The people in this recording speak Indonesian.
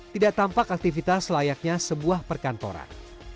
tidak tampak aktivitas layaknya sebuah perkantoran